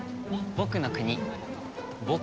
僕の国。